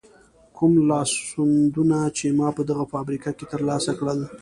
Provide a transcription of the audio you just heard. کوم لاسوندونه چې ما په دغه فابریکه کې تر لاسه کړل.